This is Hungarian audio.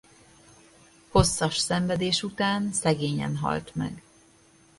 Hosszas szenvedés után szegényen halt meg.